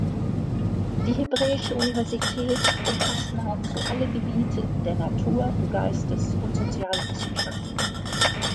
Die Hebräische Universität umfasst nahezu alle Gebiete der Natur-, Geistes- und Sozialwissenschaften.